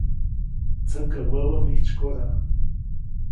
Tsäkä wäbä mijtsykoda.